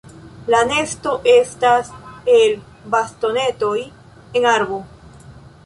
La nesto estas el bastonetoj en arbo.